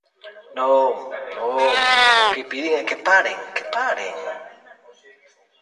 Non, non, o que piden é que paren, que paren.